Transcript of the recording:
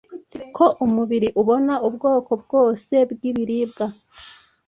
ko umubiri ubona ubwoko bwose bw'ibiribwa